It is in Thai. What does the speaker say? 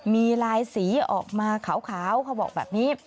มีลายสีออกมาขาวเขาบอกแบบนี้